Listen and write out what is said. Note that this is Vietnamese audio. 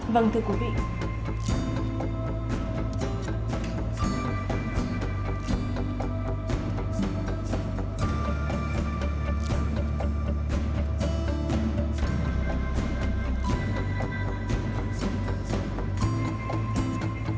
vâng thưa quý vị